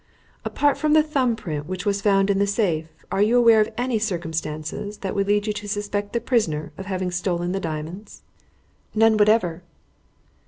"Apart from the thumb print which was found in the safe, are you aware of any circumstances that would lead you to suspect the prisoner of having stolen the diamonds?" "None whatever."